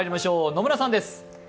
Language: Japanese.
野村さんです。